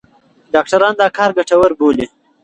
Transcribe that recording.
ډاکټران دا کار ګټور بولي.